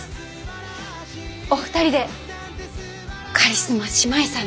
お二人でカリスマ姉妹さんのように。